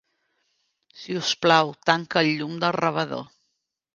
Si us plau, tanca el llum del rebedor.